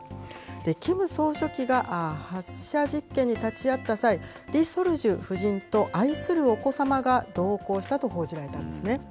キム総書記が発射実験に立ち会った際、リ・ソルジュ夫人と愛するお子様が同行したと報じられたんですね。